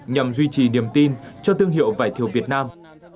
nhằm duy trì niềm tin cho thương hiệu vải thiều việt nam